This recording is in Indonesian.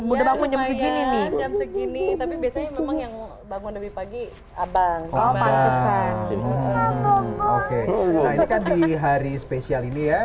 udah bangun jam segini nih tapi biasanya memang yang bangun pagi abang oke hari spesial ini ya